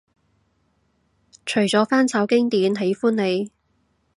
除咗翻炒經典喜歡你